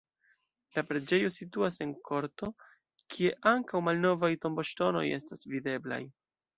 La preĝejo situas en korto, kie ankaŭ malnovaj tomboŝtonoj estas videblaj.